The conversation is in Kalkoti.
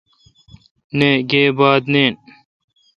نہ گیب بات نین۔